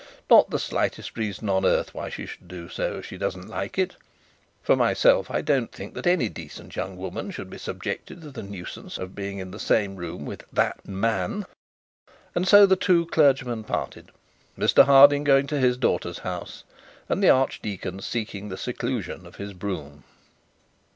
'Not the slightest reason on earth why she should do so, if she doesn't like it. For myself, I don't think that any decent young woman should be subjected to the nuisance of being in the same room with that man.' And so the two clergymen parted. Mr Harding going to his daughter's house, and the archdeacon seeking the seclusion of his brougham.